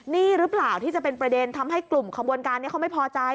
นี่หรือเปล่าที่จะเป็นประเด็นทำให้กลุ่มขบวนการนี้เขาไม่พอใจ